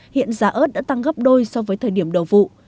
hiện giá ớt đã tăng gấp đôi so với thời điểm đầu vụ